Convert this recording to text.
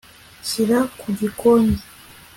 shyira ku gikoni